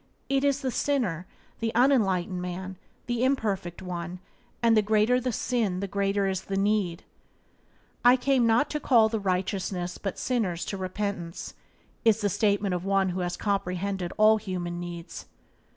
It is the sinner, the unenlightened man, the imperfect one; and the greater the sin the greater is the need. "I came not to call the righteous but sinners to repentance" is the statement of One who comprehended all human needs.